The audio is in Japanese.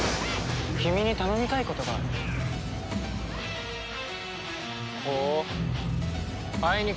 君に頼みたいことがある。